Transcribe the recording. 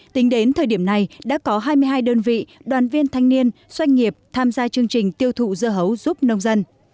tính đến thời điểm này đã có hai mươi hai đơn vị đoàn viên thanh niên doanh nghiệp tham gia chương trình tiêu thụ dưa hấu giúp nông dân